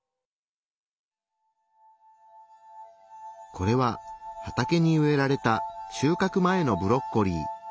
これは畑に植えられた収かく前のブロッコリー。